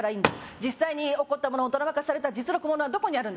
実際に起こったものをドラマ化された実録物はどこにあるんだ？